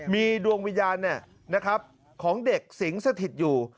มีดวงวิญญาณของเด็กสิงสถิตอยู่